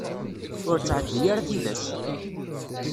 Ur ttεeddi ara tilas.